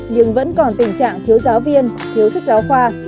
nhưng vẫn còn tình trạng thiếu giáo viên thiếu sách giáo khoa